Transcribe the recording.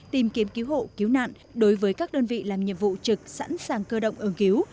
tìm kiếm cứu hộ cứu nạn đối với các đơn vị làm nhiệm vụ trực sẵn sàng cơ động ứng cứu